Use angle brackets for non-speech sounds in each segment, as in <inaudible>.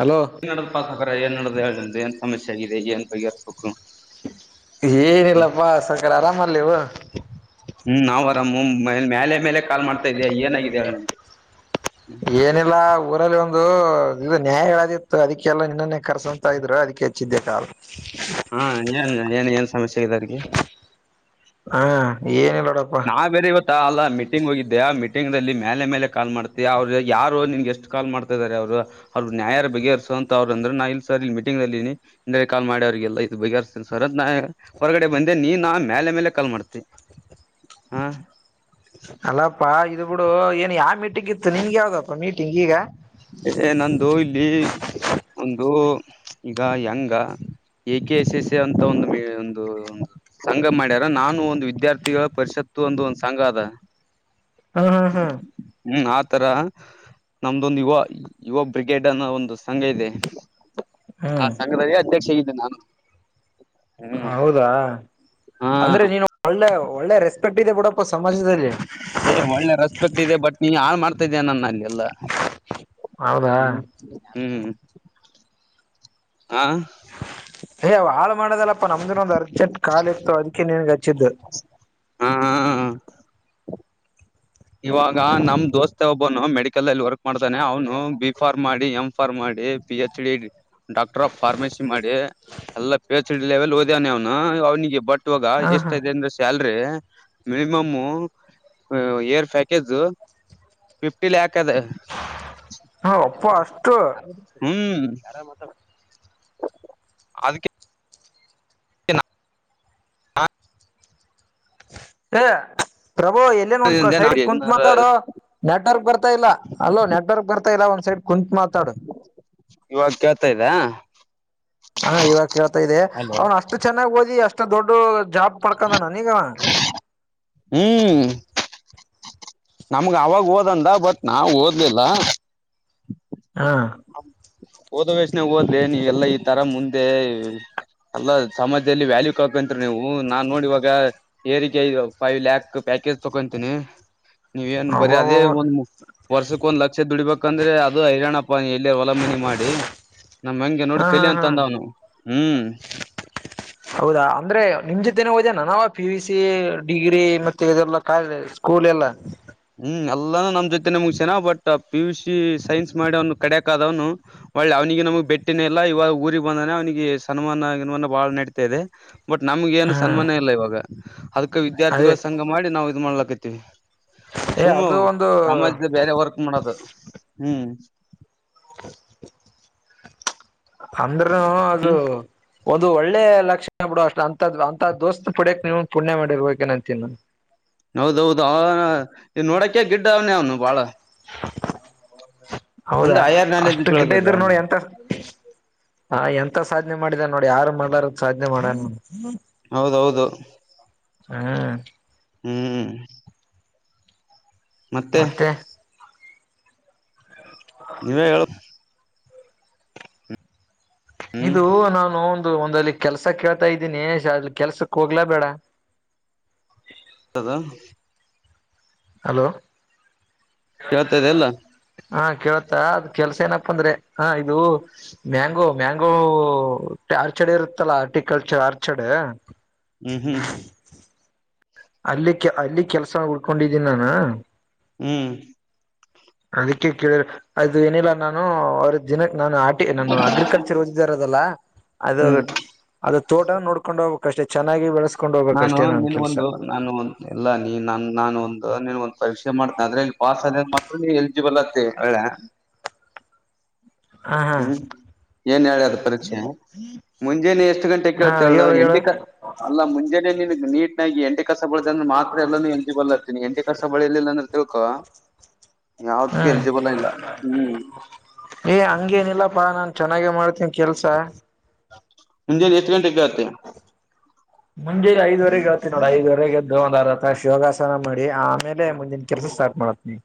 Hello ಏನ್ ನಡ್ದ್ ಪಾಸಕ ಏನ್ ನಡ್ದ ಹೇಳನ್ ಏನ್ ಸಮಸ್ಯೆ ಆಗಿದೆ ಏನ್ ಬಗೆರ್ಬೇಕು ಹ್ಮ್ ಏನಿಲ್ಲಪ್ಪಾ ಸಕರ್ ಆರಾಮಲ್ಲಿ ನಾವ ಆರಾಮ ಮೇಲೆ ಮೇಲೆ ಕಾಲ್ ಮಾಡ್ತಾ ಇದ್ಯಾ ಏನಾಗಿದೆ ಹೇಳನ ಏನಿಲ್ಲ ಊರಲ್ಲಿ ಒಂದು ಇದು ನ್ಯಾಯಾದಿತ್ತು ಅದಕ್ಕೆಲ್ಲ ಇನ್ನೊನ್ನೆ ಕರ್ಸಂತ ಇದ್ರ ಅದಕ್ಕೆ ಸಿದ್ಧಕ ಹಾ ಏನ್ ಏನ್ನ್ ಸಮಸ್ಯೆಗಾರಿಗೆ ಹಾ ಏನಿಲ್ಲ ನೋಡಪ್ಪಾ ನಾ ಬೇರೆ ಇವತ್ತ ಅಲ್ಲ ಮೀಟಿಂಗ್ ಹೋಗಿದ್ದ್ಯಾ ಮೀ ಮೀಟಿಂಗ್ಲ್ಲಿ ಮೇಲೆ ಮೇಲೆ ಕಾಲ್ ಮಾಡ್ತಿ ಅವ್ರ ಯಾರು ನಿನ್ಗೆ ಎಷ್ಟು ಕಾಲ್ ಮಾಡ್ತಾಾರೆ ಅವರು ಅವ್ರರು ನ್ಯಾರ ಬಗಹರ್ಸ ಅಂತ ಅವರು ಅಂದ್ರೆ ನಾ ಇಲ್ ಸರ್ ಇ ಮೀಟಿಂಗ್ ದಲ್ಲಿ ಕಾಲ್ ಮಾಡಿ ಅವ್ರರಿಗೆಲ್ಲ ಇ ಬಗೆರ್ಸ್ತನಿ ಸರ್ ಹೊರಗಡೆ ಬಂದೆ ನೀ ನ ಮೇಲೆ ಮೇಲೆ ಕಾಲ್ ಮಾಡ್ತಿ ಹಾ <unintelligible> ಅಲ್ಲಪ್ಪಾ ಇದ ಬಿಡು ಏನ್ ಯಾವ ಮೀಟಿಂಗ ಇತ್ತು ನಿನ್ ಯಾವ್ದಪ್ಪ ಮೀಟಿಂಗ್ ಈಗ ನಂದು ಇಲ್ಲಿ ಒಂದು ಈಗ ಹೆಂಗ ಎ ಕೆ ಎಸ್ ಎಸ್ ಅಂತ ಒಂದು ಮ ಒಂದು ಒ ಸಂಘ ಮಾಡ್ಯಾರ ನಾನು ಒಂದು ವಿದ್ಯಾರ್ಥಿಗಳ ಪರಿಷತ್ತು ಒಂದು ಒಂದು್ ಸಂಘ ಅದ ಹಾ ಹಾ ಹಾ ತರ ನಮ್ದೊಂದು ಯುವ ಯುವ ಬ್ರಿಗೇಡ್ ಅನ್ನೋ ಒಂದು ಸಂಘ ಇದೆ ಆ ಹ್ಮ್ ಸಂಘದಲ್ಲಿ ಅಧ್ಯಕ್ಷ ನಾನು <unintelligible> ಹೌದಾ ಹಾ ಅಂದ್ರೆ ನೀನು ಒಳ್ಳೆ ಒಳ್ಳೆ ರೆಸ್ ಪಟ್ಟಿ ಬಡ <unintelligible> ಏ ಒಳ್ಳೆ ರೆಸ್ಪೆಕ್ಟ್ ಇದೆ ಬಟ್ ನೀನ್ ಯನ್ ಮಾಡ್ ರ್ತದೆನನ್ನ ಅಲ್ಲಿ ಎಲ್ಲ ಹೌದಾ ಹ್ಮ್ ಹ್ಮ್ ಹ್ಮ್ ಹಾ <unintelligible> ಹಯ ಹಾಳ ಮಾಡದಲ್ಲ ಅಪ್ಪ ನಮ್ದಿನ ಒಂದು ಅರ್ಜೆಂಟ್ ಕಾಾಲ ಇತ್ತು ಅದಕ್ಕೆ ನನ್ಗೆ ಹಚ್ಚಿದ್ದು ಹಾ ಇವಾಗ ನಮ್ ದೋಸ್ತೆ ಒಬ್ಬನು ಮೆಡಿಕಲ್ಲ್ಲಿ ವರ್ಕ್ ಮಾಡ್ತಾನೆ ಅವ್ನು ಬಿ ಫಾರ್ಮ್ ಮಾಡಿ ಎಂಫಾರ ಮಾಡಿ P H D doctor of pharmacy ಮಾಡಿ ಎಲ್ಲ ಪೇಸಡ್ವೆಲ್ ಓದ್ಯವಾನ ಅವ್ನ ಅವ್ನಿಗೆ ಬಟ್ ಇುವಾಗ ಹ ಹ ಎಷ್ಟ ಇದೆ ಅಂದ್ರೆ ಸ್ಯಲ್ರಿ ಮಿನಿಮಮುರ್ <unintelligible> ಪ್ಯಾಕೇಜ್ ಫಿಫ್ಟಿ ಲ್ಯಾಕ್ಸ್. ಹದ ಹ ಅಪ್ಪ ಅಷ್ಟು ಹ್ಮ್ <unintelligible> ಯಾರ ಮಾತ್ರ ಅದಕ್ಕೆ <unintelligible> ಚ <unintelligible> ಹ <unintelligible> ಪ್ರಭೋ ಎಲ್ಲೇನ್ ಒಂದ ನಾನಿಂದೆ ನಾ ಸೈಡ ಕುತ್ ಏನಾರ ಮಾತಾಡೋ ನೆಟ್ವರ್ಕ್ ಬರ್ತಾ ಇಲ್ಲ ಅಲೋ ನೆಟ್ವರ್ಕ್ ಬರ್ತ ಎಲ್ಲ ಒಂದ ಸೈಡ್ ಕುಂಂತತ್ ಮಾತಾಡು ಇವಾಗ ಕೇಳ್ತಾ ಇದ್ದಾ ಹಾ ಇವಾಗ ಕೇಳ್ತಾ ಇದೆ ಅವ್ನ್ ಅಷ್ಟು ಚೆನ್ನಾಗ್ ಓದಿ ಅಷ್ಟು ದೊಡ್ಡ ಜಾ. ಪಳಕದಾನ ನೀಗ. ಹ್ಮ್ ನಮ್ಗ ಅವಾಗ ಓದಂದ ಬಟ್ ನಾವ ಓದ್ಲಿಲ್ಲ ಹಾ ಓದ ವಷ ನವು ಓದೆ ನೀವೆಲ್ಲಾ ಈ ತರ ಮುಂದೆ ಎಲ್ಲ ಸಮಾಜದಲ್ಲಿ ವ್ಯಾಲ್ಯೂ ಕಕೊಂತರಿ ನೀವು ನಾನ್ ನೋಡಿವಾಗ ಏರಿಕೆ ಫೈವ್ ಲ್ಯಾಕ್ ಪ್ಯಾಕೇಜ್ ತಕೊಂತೀನಿ. ನೀವ ಏನ್ ಬರೀ ಅಬ್ಬಬ್ಬ ಅದೇ ಒಂದ ವರ್ಷಕ್ ಒಂದ್ ಲಕ್ಷ ದುಡಿಬೇಕಂದ್ರೆ ಅದು ಹೈರಾಣ. ಬ <inaudible> ಹೊಲ ಮನಿ ಮಾಡಿ ನಮ ಹಂಗೆ ನೋಡಿ ಹಾ ಕಲಿ ಹಾ ಹಾ ಅಂದವ್ನು. ಹ್ಮ್- ಇದೇನ ನಾವ ಪಿ ವಿ ಸಿ ಡಿಗ್ರಿ ಮತ್ತೆ ಇದೆಲ್ಲ ಕ ಸ್ಕೂಲ್ ಎಲ್ಲ ಅಲ್ಲಾನ ನಮ್ ಜೊತೆ ನಮಗ್ ಜನ but P U C science ಮಾಡಿ ಅವ್ನು ಕಡಕ್ ಆದವ್ನು ಒಳ್ಳೆ ಅವ್ನಿಗೆ ನಮಗ್ ಬೆಟ್ಟಿನ ಇಲ್ಲ ಇವಾಗ ಊರಿಗೆಗ್ ಬಂದಾನೆ ಅವನಿಗೆ ಸನ್ಮಾನಮಾನ ಬಾಳ್ ನಡತಾ ಇದೆ. ಬಟ್ ನಮ್ಗೆ ಏನು ಹ್ಮ್ ಸನ್ಮಾನ ಇಲ್ಲ ಇವಾಗ. ಹ್ಮ ಅದಕ್ಕೆ ವಿದ್ಯಾರ್ಥಿಗಳ ಅದೇ ಸಂಘ ಮಾಡಿ ನಾವು. ಮಾಡ್ಲಕತಿವಿ. ಏ ಸುಮ್ಮು ಅದು ಒಂದು ಸಮಾಜದ ಬೇರೆ ವರ್ಕ್ ಮಾಡೋದು. ಹ್ಮ್. <unintelligible> ಹ <inaudible> ಅಂದ್ರ ಅದು ಹ್ಮ್ ಒಂದು ಒಳ್ಳೆ ಲಕ್ಷಣ. ಬಿಡ ಅಷ್ಟ ಅಂತ -ಅಂತ ದೋಸ್ತ್ ಪಡಕ್ ನೀ ಪುಣ್ಯ ಮಾಡಿರ್ಬೇಕೇನ ಅಂತೀನಾ. ಹೌದೌದು. ಆ ಇ ನೋಡಕ ಗಿಡ್ಡ ಅವನ ಅವನು ಬಾಳ ಹೌದಾ ಅಂದ್ರ ಹೈಯರ್ ನಾಲೆಜ್ ಅಷ್ಟು ಬೆಳದ ಅವನದು. ಹಾ, ಎಂತ ಸಾಧನೆ ಮಾಡಿದ ನೋಡಿ ಯಾರು ಮಾಡ್ಲರ ಸಾಧ್ನೆ ಮಾಡನ. ಹೌದೌದು. ಹ್ಮ, ಹ್ಮ್, ಮತ್ತೆ, ನೀವೇ ಹೇಳ್ಬೇಕು. ಹ್ಮ್ ಇದು ನಾನು- ಒಂದಲ್ಲಿ ಕೆಲ್ಸ ಕೇಳ್ತಾ ಇದ್ದೀನಿ ಅ ಕೆಲ್ಸಕ್ ಹೋಗ್ಲಾ ಬೇಡ. ಅದ <inaudible> ಹಲೋ, ಕೇಳ್ತಾದೆ ಇಲ್ಲ., - ಹಾ ಕೇೇಳತ್ತಾ ಅದ ಕೆಲ್ಸ ಏನಪ್ಪ ಅಂದ್ರೆ- ಹಾ, ಇದು ಮ್ಯಾಂಗೋ, ಮ್ಯಾಂಗೋ- ಆರ್ಚಡ್ ಇರುತ್ತಲ್ಲ ಆರ್ಟಿಕಲ್ಚರ್ ಆರ್ಚಡ್, ಹ್ಮ್, ಹ್ಮ್- ಅಲ್ಲಿ -ಅಲ್ಲಿ ಕೆಲ್ಸ ಉಡ್ಕೊಂಡಿದೀನಿ ನಾನು. ಹ್ಮ್, ಅದಕ್ಕೆ ಕೇಳ್ರ- ಅದು ಏನಿಲ್ಲ ನಾನು ಅವ್ರ ದಿನಕ ನಾನು ಆಟಿ ನಾನು ಅಗ್ರಿಕಲ್ಚರ್ ಓದಿದ ಇರೋದಲ್ಲ. ಅದು ಹ್ಮ್ ಅದು ತೋಟ ನೋಡ್ಕೊಂಡು ಹೋಗಕ್ ಅಷ್ಟೇ. ಚೆನ್ನಾಗಿ ಬೆಳಸ- ನಾನು ನಿನ್ಗ ಒಂದು ನಾನು ಒ ಎಲ್ಲ ನೀ ನ <unintelligible> ನಾನು ಒಂದು ನಿನ್ ಒ ಪರೀಕ್ಷ ಮಾಡತನ ಅದ್ರೆಲ್ಲಿ ಪಾಸ್ ಆದ ಮಾತ್ರ ಎಲಿಜಿಬಲ್ ಹಾಗತಿ. ಮ ಒಳ <inaudible> ಹ ಹಾ ಹ್ಮ್ ಏನ್ ಹೇಳಿದ ಪರೀಕ್ಷೆ ಮುಂಜೆನೆೇ ಎಷ್ಟು ಗಂಟೆ ಹಾ ಹೇಳತೇಳು. ಹೇಳು ಹೇಳು ಎಂಡಿಕಸ ಅಲ್ಲ ಮುಂಜೆನೇ ನೀನ್ಗ್ ನೀಟ್ನಗಿ ಎಂಡಿ ಕಸ ಬಳ್ದೆ ಅಂದ್ರೆ ಮಾತ್ರ ಎಲ್ಲ ಎಲಿಜಿಬಲ್ ಇರ್ತೀನಿ. ಎಂಡಿಕಸ ಬಳಿರ್ಲಿಲ್ಲ ಅಂದ್ರೆ ತಿಳ್ಕೊ ಯಾವದಕ್ ಹ್ಮ್ ಎಲಿಜಿಬಲ್ ಇಲ್ಲ. ಹ್ಮ್- ಏ ಹಂಗೇನಿಲ್ಲಪ್ಪಾ ನಾನ್ ಚೆನ್ನಾಗೆ ಮಾಡ್ತೀನ ಕೆಲ್ಸಾ. - ಮುಂಜನ್ ಎಷ್ಟುಘಂಟೆಗೆ ಹೇಳ್ತಿ., ಅ <inaudible> ಮುಂಜೆ ಐ್ವರೆಗೆೇಳ್ತ ಐದವರೆಗೆದ್ರ ಯೋಗಾಸನ ಮಾಡಿ ಆಮೇಲೆ ಮುಂದಿನ ಕೆಲ್ಸ ಸ್ಟಾರ್ಟ್ ಮಾಡತೀನಿ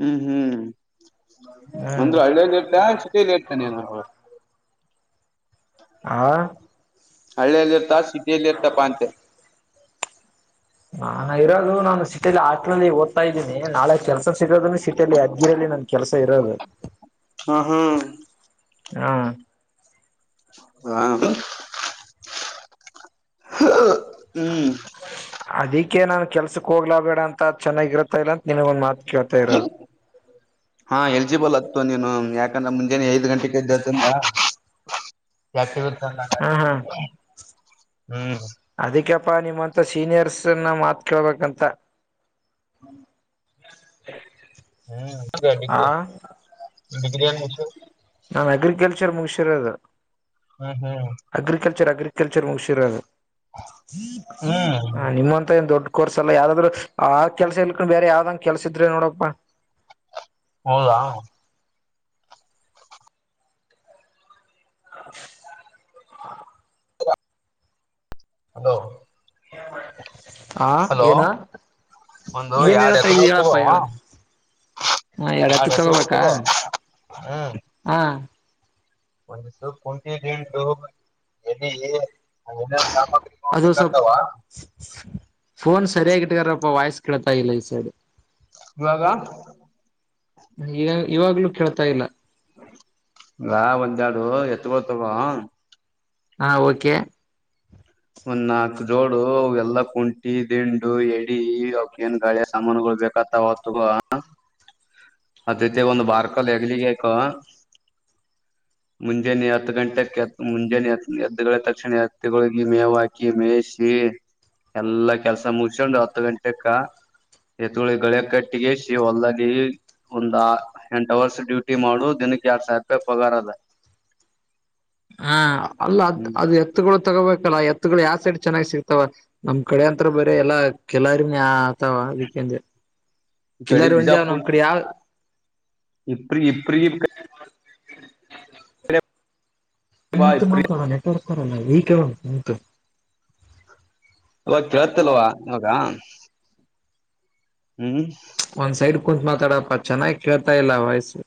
ಹ್ಮ್ ಹ್ಮ್ ಹ್ಮ್ ಅಂದ್ರೆ ಹಳ್ಳಿಯಲಿ ಇರ್ತ ಸಿಟಿಯಲಿ ಇರ್ತಾನೆನು ಅವ ಹಾ ಹಳ್ಳಿಯಲ್ಲಿ ಇರ್ತ ಸಿಟಿಯಲ್ಲಿ ಇರ್ತಪ ಅಂತೆ ಹಾಂ <unintelligible> ನಾ ಇರೋದು ನಾನು ಸಿಟಿಯಲ್ಲಿ ಆಟಲ್ಲ್ಲಿ ಓದ್ತಾ ಇದ್ದೀನಿ ನಾಳೆ ಕೆಲ್ಸ ಸಿಗೋದ ಸಿಟಿಯಲ್ಲಿ ಅದ್ಗಿರಲ್ಲಿ ನಮ್ ಕೆಲಸ ಇರೋದು ಹ ಹ್ಮ್ ಹ್ಮ ಹಾ <inaudible> ಹ್ಮ್ ಅದಿಕ್ಕೆೇ ನಾನ್ ಕೆಲ್ಸಕ್ ಹೋಗ್ಲ ಬೇಡ ಅಂತ ಅ್ ಚೆನ್ನಾಗಿರುತ್ತಾ ಇಲ್ಲ ನಿನಗೊಂದ್ ಮಾತ್ ಕೇಳ್ತಾ ಇರೋದು ಹ ಎಲ್ಜಿಬಲ್ ಹತ್ತು ನೀನು ಯಾಕೆ ಮುಂಜಾನೆ ಐ ಗಂಟೆ ಜತ ಯ ಹಾ ಹಾ <unintelligible> ಹ್ಮ್ ನಿಮ್ಮಂತ ಅದಕ್ಕೆಪ್ಪಾ ಸೀನಿಯರ್ಸ್ನ್ನ ಮಾತ್ಕೇಳ್ಬೇಕಂತ ಹ ಹ ಏನ್ ಮುಗ್ಸಿ ನಾನು ಅಗ್ರಿಕಲ್ಚರ್ ಮುಗ್ಸಿ ಚರದು ಹ್ಮ್ ಹ್ಮ್ <unintelligible> ಅಗ್ರಿಕಲ್ಚರ್ ಅಗ್ರಿಕಲ್ಚರ್ ಮುಗ್ಸಿ ಚಿರಳ <unintelligible> ಹ್ಮ್ ಹ ನಿಮ್ಮಂತ ಏನ್ ದೊಡ್ಡ ಕೋರ್ಸ್ ಎಲ್ಲ ಯಾರಾದ್ರರು ಆ ಕೆಲ್ಸ ಇಲ್ಕೊಂಡು ಬೇರೆ ಯಾವ್ದಂ ಕೆಲ್ಸಿದ್ರೆ ನೋಡಪ್ಪಾ ಹೌದಾ <unintelligible> ಹ ಹಲೋ. ಹ ಹಲೋ ಏನ ಒಂದು ಏನ್ ಎರಡ್ ಹೇಳತಾ ಇದವಿ ಎತ್ತುಗಳು ಹೇಳಪ್ಪ ತಗೋ ಹೇಳ ಹ ಎರಡು ಹತ್ತು ಎರಡ್ ಎತ್ತುಗಳು ತಗೋಬೇಕ ತಗೋ ಹಾ. ಒಂದು ಸ ಕುಟಿಟು ಎಲ್ಲಿ. ಇನ ಸಾಮಗ್ರ ಅದು ಅತ ಸ್ವಲ್ಪ ಆ <unintelligible> ಫೋನ್ ಸರಿಯಾಗಿಟ್ಟಗಾರಪ್ಪ ವಾಯ್ಸ್ ಕೇಳ್ತಾ ಇಲ್ಲ ಈ ಸೈಡ್ ಇವಾಗ ಈಗ ಇವಾಗ್ಲೂ ಕೇಳ್ ತ ಇಲ್ಲ ರಾ ಒಂದಾಡು ಎತ್ಗ ತಗ ಹ ಓಕೆ ಒಂದ್ ನಾಕ್ ಜೋಡು ಎಲ್ಲ ಕುಂಟಿ ದಿಂಡು ಎಡಿ ಅವಕ ಏನ್ ಗಾಳಿಯ ಸಾಮಾನುಗಳು ಬೇಕತ್ತ ಹೊತ್ತುಗ ಅದೈತಿ ಒಂದ್ ಬಾರ್ಕಲ್ ಹೆಗ್ಲಿಿಗೆಕ ಮುಂಜಾನೆ ಹತ್ತು ಗಂಟೆಕ್ತ್ ಮುಂಜಾನೆ ಹ ಎ ತಕ್ಷಣ ಹತ್ತುಗಳ ಮೇ ಹಾಕಿ ಮೇಯಿಸಿ ಎಲ್ಲಾ ಕೆಲ್ಸ ಮುಗಸಕೊಂಡ್ ಹತ್ತು ಗಂಟೆಕ್ಕ ಎತಳಿ ಗಳಿಯ ಕಟ್ಟಿಗಸಿ ಹೊಲ್ದಾಗಿ ಒಂದ್ ಎಂಟ ಅವರ್ಸ್ ಡ್ಯೂಟಿ ಮಾಡು ದಿನಕ್ಕೆ ಯರ ಸಾವಿರ ರೂಪಾಯಿ ಪಗಾರ ಅದ ಹಾ ಅಲ್ಲ ಅದ್ ಹ್ಮ್ ಅದು ಎತ್ತಕೊಳ್ಳ ತಗೋಬೇಕಲ್ಲ ಎತ್ತುಗಳು ಯಾವ ಸೈಡ್ ಚೆನ್ನಾಗಿ ಸಿಗ್ತಾವ ನಮ್ ಕಡೆ ಅಂತತ್ರ ಬರ ಎಲ್ಲಾ ಕೆಲರಿ ವಾ ಅದಕ್ಕೆಂದ್ರೆ ಈ ಕಡೆ ಎಲ್ಲರು ಒಂದಾವ ಬಿಜಾಪುರ್ ನಮ್ಮ್ ಕಡೆ ಯಾವ ಇಪ್ರಿ ಇಪ್ರಿ ಬಾ ನಿಂತು ಇಪ್ರಿ ಮಾತ್ರ ಅಲ್ಲ ನೆಟ್ವರ್ಕ್ ಬರಲ್ಲ ಈ ನಿಂತು ಇವಾಗ ಕೇೇಳತ್ತಲ್ವಾ ಇವಾಗ ಹ್ಮ್ ಒಂದ್ ಸೈಡ್ ಕುಂಂತ ಮಾತಾಡಪ್ಪ ಚೆನ್ನಾಗ್ ಕೇಳ್ತಾ ಇಲ್ಲ ವಯಸ್ಸು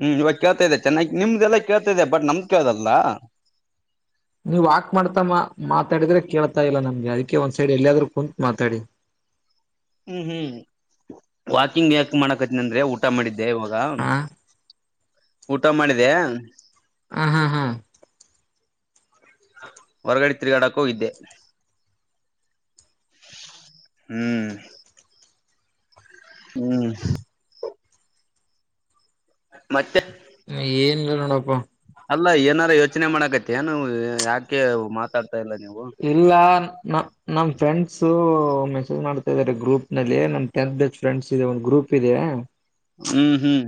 ಹ್ಮ್ ಇವಾಗ ಕೇತಾ ಇದೆ ಚೆನ್ನಾಗಿ ನಿಮ್ದದೆಲ್ಲ ಕೇತಿದೆ ಬಟ್ ನಮ್ದ ಕೇಳಲ್ಲ ಅಲ್ಲ ನೀವು ವಾಕ್ ಮಾಡ್ತಾ ತಮ್ಮಾ ಮಾತಾಡಿದ್ರೆ ಕೇಳ್ತಾ ಇಲ್ಲ ನಮ್ಗೆ ಅದಕ್ಕೆ ಒಂದ್ ಸೈಡ್ ಎಲ್ಲಿಯಾದ್ ಕುಂತ ಮಾತಾಡಿ. ಹ್ಮ್ ಹ್ಮ್ ತಮಿಡದ. ಇವಾಗ ಹ ಊಟ ಮಾಡಿದೆ ಹ ಹಾ ಹಾ ಹೊರಗಡೆ ತಿರುಗಾಡಕ ಹೋಗಿದ್ದೆ..... ಹ್ಮ್.. ಹ್ಮ್ ಮತ್ತೆ ಏನ್. ಪ್ಪ. ಅಲ್ಲ ಏನಾರ ಯೋಚನೆ ಮಾಡಕತ್ತನು. ಯಾಕೆ ಮಾತಾಡ್. ಇಲ್ಲ ನ ನಮ ಫ್ರೆಂಡ್. ಸೊ ಮೆಸೇಜ್ ಮಾಡ್ತಾ ಇದಾರೆ ಗ್ರೂಪ್ ನಲ್ಲಿ ನಮ್ ಟೆಂತ್ ಬೆಸ್ಟ್ ಫ್ರೆಂಡ್ಸ್ ಇದೆ ಒಂದ್ ಗ್ರೂಪ್ ಇದೆ. ಹ್ಮ್ ಹ್ಮ್.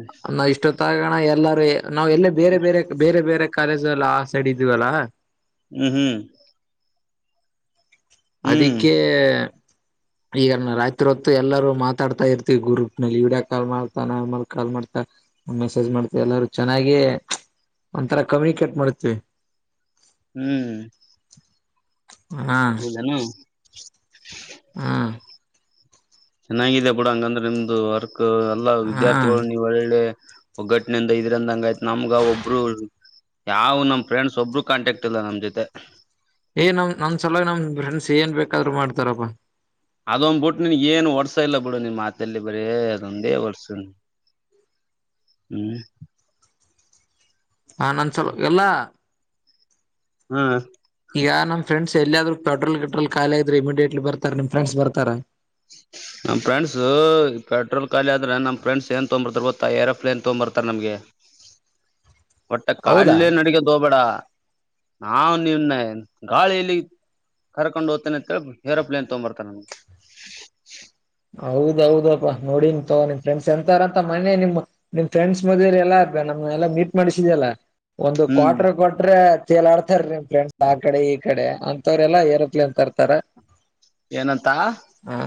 ತಣ ಎಲ್ಲ. ನಾವು ಎಲ್ಲೇ ಬೇರೆ ಬೇರೆ ಬೇರೆ ಬೇರೆ. ಕಾಲೇಜ ಎಲ್ಲ ಆ ಸೈಡ್ ಇದೀವಲ್ಲಾ. ಹ್ಮ್ ಹ್ಮ್. ಹ್ಮ್ ಅದಕ್ಕೆ. ಈಗ ರಾತ್ರಿ ಹೊತ್ತು ಎಲ್ಲರೂ ಮಾತಾಡ್ತಾ ಇರ್ತಿವಿ ಗ್ರೂಪ್ ನಲ್ಲಿ ಈಡಿಯ ಕಾಲ್ ಮಾಡ್ತಾ ನ್ಮ ಕಾಲ್ ಮಾಡ್ತಾ ಮೆಸೇಜ್ ಮಾಡ್ತ ಎಲ್ಲಾರೂ ಚೆನ್ನಾಗೇ ಒಥರಾ ಕಮ್ಯುನಿಕೇಟ್ ಮಾಡತವಿ. ಹೌದಾನು. ಹ. ಹ್ಮ್. ಚೆನ್ನಾಗಾಗಿದೆ ಬೂಡ ಹಂಗಂದ್ರೆ ನಿಮ್ದು ವರ್. ಎಲ್ಲಾ ಹಾ ವಿದ್ಯಾರ್ಥಿಗಳು ನೀವು ಒಳ್ಳೆ. ಒಗ್ಗಟ್ಟನಿಂದ ಇದ್ರಂದಂಗ ಆಯ್ತು ನಮ್ಗ ಒಬ್ರು ಯಾವ್ ನಮ್ ಫ್ರೆಂಡ್ಸ್ ಒಬರು ಕಾಂಟ್ಯಾಕ್ಟ್ ಇಲ್ಲ ನಮ್ ಜೊತೆ. ಏ ನಮ್ ನಮ್ ಸಲ ನಮ್ ಫ್ರೆಂಡ್ಸ್ ಏನ್ ಬೇಕಾದ್ರು ಮಾಡ್ತಾರಪ್ಪಾ. ಅದೊಂದ್ಬುಟ್ಟು ನಿನ್ ಏನ್ ಒಡ್ಸ ಇಲ್ಲ ಬಿಡು ನಿನ್ ಮಾತಲ್ಲಿ ಬರ ಅದೊಂದೇ ಒರ್ಸು ಹ್ಮ್. ಹಾ ನನ್ಸಲ್ ಎಲ್ಲ. ಹ್ಮ್. ಈಗ ನಮ್ಮ ಫ್ರಂಡ್ಸ್ ಎಲ್ಲಿಾದ್ರೂ ಪೆ್ರೋಲ್ಟ್ರೋ ಖಾಲಿ ಇದ್ರೆ ಇಮಿಿಯೇಟ್ಲಿ ಬರ್ಾರೆ ನಿಮ ಫ್ರೆಂಡ್ಸ್ರ್ತಾರ. ನಮ್ಮ ಫ್ರೆಂಡ್ಸ ಪೆಟ್ರೋಲ್ ಖಾಲಿ ಆದ್ರೆ ನಮ್ ಫ್ರೆಂಡ್ಸ್ ಏನ್ ತೊ್ಬರ್ತಾರೆ ಗೊತ್ತಾ ಏರೋಪ್್ಲೇನ್ ತಗ್ಬರ್ತಾರ ನಮ್ಗೆ. ಒಟ್ಟ ಹೌದಾ ಕೇ ನಡಿಗೆದೋಬೇಡ. ನಾ ನಿನ್ನ ಗಾಳಿಯಲ್ಲಿ ಕರ್ಕೊಂಡು ಹೋಗ್ತೇನೆ ಅಂತೇಳ ಏರೋಪ್ಲೇನ್ ತಗಂಬರ್ತನೆ ನನ್ಗ. ಹೌದೌದಪ್ಪಾ ನೋಡಿನ್ ತಗ ನಿಮ್ ಫ್ರೆಂಡ್ಸ್ ಎಂತಾರಂತ ಮನೆ ನಿಮ್ ನಿಮ್ ಫ್ರೆಂಡ್ಸ್ ಮದ್ವೆಲೀ ಎಲ್ಲಾ ನಮ್ ಎಲ್ಲಾ ಮೀಟ್ ಮಾಡ್ಸಿದಲ್ಲ ಒಂದು ಹ್ಮ್ ಕ್ವಾಟ್ರ ಕ್ವಟ್ರೆ <unintelligible> ಫ್ರೆಂಡ್ಸ್ ಆ ಕಡೆ ಈ ಕಡೆ. ಮವರೆೆಲ್ಲಾ ಏರೋಪ್ಲೇನ್ ತರ್ತಾರ. ಏನಂತ. ಹ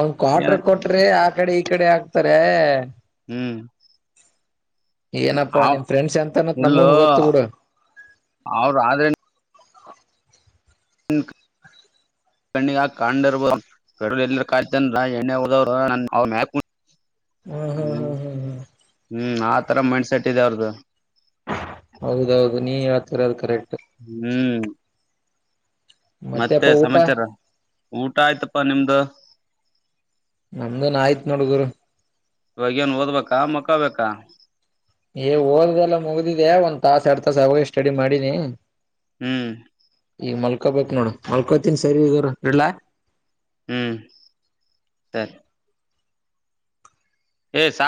ಒಂದ್ ಏನ ಕ್ವಾರಟರ್ ಕೊಟ್ರೆ ಆ ಕಡೆ ಈ ಕಡೆ ಹಾಕ್ತಾರೆ. ಹ್ಮ್ ಏನಪ್ಪಾ ಅವ್ ನಿಮ ಫ್ರೆಂಡ್ಸ್ ಎಂತನತ್ ಇಲ್ಲೋ ನಮಗೂನ್ ಗೊತ್ತು ಬಿಡು ಅವ್ರ ಆದ್ರೆ <unintelligible> ಹ್ಮ್ ಹ್ಮ್ ಹ್ಮ್ ಹ್ಮ್ ಹ್ಮ್ ಹ್ಮ್ ಹ್ಮ್ ಆ ರ ಮೈಂಡ್ ಸೆಟ್ ಇದೆ ಅವ್ರ್ದು ಹೌದೌದು ನೀ ಹೇಳ್ತಿರೋದ್ ಕರೆಕ್ಟ್ ಹ್ಮ್ ಮತ್ತೆ ಮತ್ತೆಪ್ಪ ಊಟ ಸಮಾಚಾರ ಊಟ ಆಯ್ತಪ್ಪಾ ನಿಮ್ದ ನಮ್ದುನ್ ಆಯ್ತ್ ನೋಡ್ ಗುರು ಇವಾಗೆನ್ ಓದ್ಬೇಕಾ ಮಕ್ಕಳ್ಬೇಕಾ ಏ ಓದದೆಲ್ಲ ಮುಗ್ದಿದೆ ಒಂ ತಾಸ ಎಡ್ ತಾಸ ಆಗೋ ಹೇ ಸ್ಟಡಿ ಮಾಡೀನಿ ಹ್ಮ್ ಈಗ ಮಲ್ಕೋಬೇಕಕ್ ನೋಡು ಮಲ್ಕೋತಿನ್ ಸರಿ ಗುರು ಇಡ್ಲಾ ಹ್ಮ್ ಸರಿ ಹೇ ಸಾ